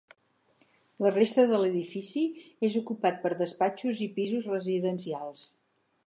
La resta de l'edifici és ocupat per despatxos i pisos residencials.